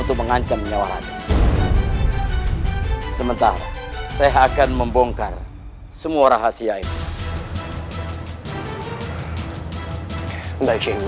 karena aku sudah bertemu raden di sini